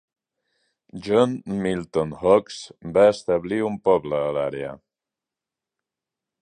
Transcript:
John Milton Hawks va establir un poble a l'àrea.